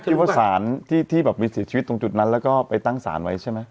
ที่ว่าสารที่แบบมีเสียชีวิตตรงจุดนั้นแล้วก็ไปตั้งสารไว้ใช่ไหม